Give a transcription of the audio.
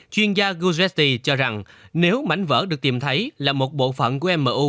chuyên gia guzetti cho rằng nếu mảnh vỡ được tìm thấy là một bộ phận của mu năm nghìn bảy trăm ba mươi bảy